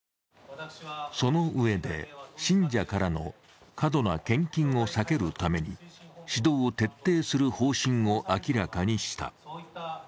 そのうえで、信者からの過度な献金を避けるために指導を徹底する方針を明らかにした。